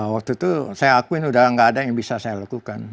waktu itu saya akui sudah tidak ada yang bisa saya lakukan